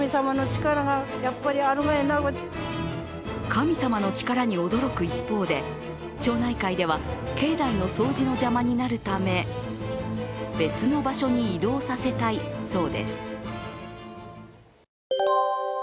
神様の力に驚く一方で町内会では境内の掃除の邪魔になるため別の場所に移動させたいそうです。